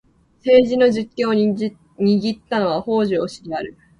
政治の実権を握ったのは北条氏であった。